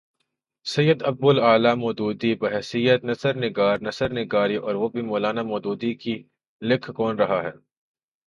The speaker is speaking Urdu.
سید ابو الاعلی مودودی، بحیثیت نثر نگار نثر نگاری اور وہ بھی مو لانا مودودی کی! لکھ کون رہا ہے؟